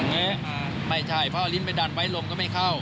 เออไม่ใช่เพราะเอาลิ้นไปดันไว้ลมก็ไม่เข้า